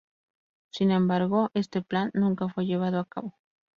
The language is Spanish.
Sin embargo, este plan nunca fue llevado a cabo.